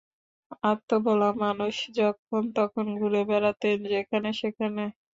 আত্মভোলা মানুষ, যখন তখন ঘুরে বেড়াতেন যেখানে সেখানে।